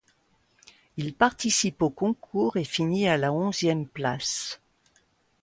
Il participe au concours et finit à la onzième place.